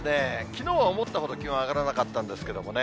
きのうは思ったほど気温上がらなかったんですけどもね。